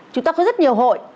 chúng ta có rất nhiều hội